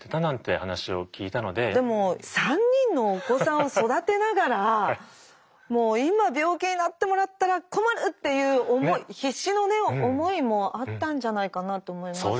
でも３人のお子さんを育てながらもう今病気になってもらったら困るっていう思い必死のね思いもあったんじゃないかなと思いますね。